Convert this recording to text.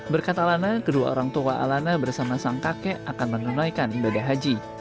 berkat alana kedua orang tua alana bersama sang kakek akan menunaikan ibadah haji